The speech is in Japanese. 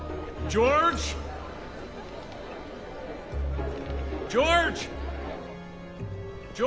ジョージ！